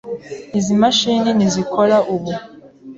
Izi mashini ntizikora ubu.